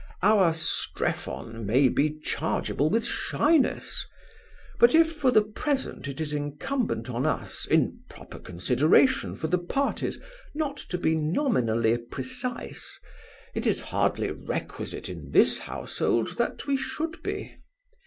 Our Strephon may be chargeable with shyness. But if for the present it is incumbent on us, in proper consideration for the parties, not to be nominally precise, it is hardly requisite in this household that we should be.